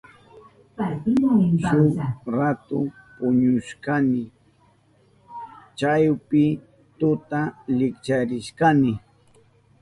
Shuk ratu puñushkani. Chawpi tuta likcharishkani.